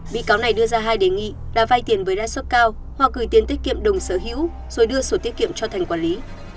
bị cáo này đưa ra hai đề nghị là vai tiền với đá sốc cao hoặc gửi tiền tiết kiệm đồng sở hữu rồi đưa sổ tiết kiệm cho thành quản lý